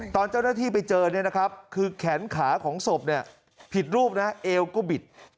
ตอนเจ้าหน้าที่ไปเจอเนี่ยนะครับคือแขนขาของศพผิดรูปนะเอวก็บิด